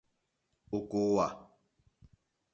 Ò kòòwà.